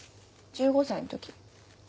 １５歳の時。